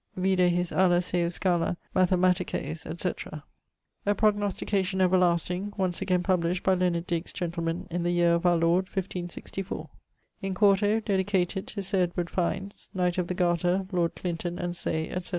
Vide his Ala seu scala Mathematices etc. A prognostication everlasting, once again published by Leonard Digges, gentleman, in the yeare of our Lord 1564; in 4to, dedicated to Sir Edward Fines, knight of the garter, lord Clinton and Saye, etc.